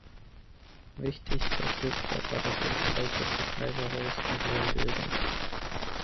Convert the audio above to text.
Wichtigster Stifter war das österreichische Kaiserhaus mit neun Bildern.